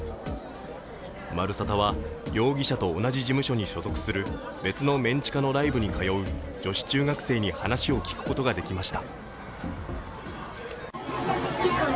「まるサタ」は容疑者と同じ事務所に所属する別のメン地下のライブに通う女子中学生に話を聞くことができました。